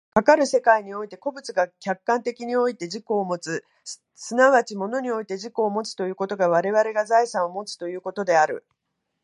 かかる世界において個物が客観界において自己をもつ、即ち物において自己をもつということが我々が財産をもつということである。